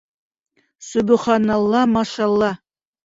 Собоханалла машалла!